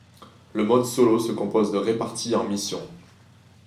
Le mode solo se compose de répartis en missions.